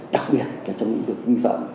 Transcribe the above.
đặc biệt trong những việc vi phạm